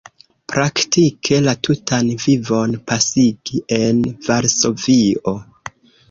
Praktike la tutan vivon pasigi en Varsovio.